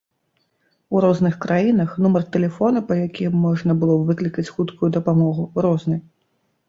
У розных краінах нумар тэлефона, па якім можна было б выклікаць хуткую дапамогу, розны.